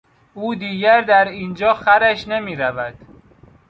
او دیگر در اینجا خرش نمیرود.